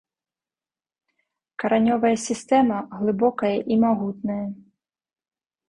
Каранёвая сістэма глыбокая і магутная.